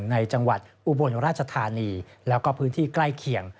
ในจังหวัดอุบลราชธานีแล้วก็พื้นที่ใกล้เคียง